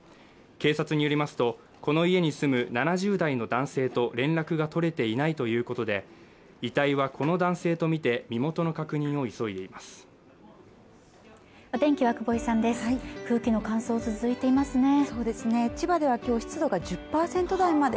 警察によりますとこの家に住む７０代の男性と連絡が取れていないということで遺体はこの男性とみて身元の確認を急いでいます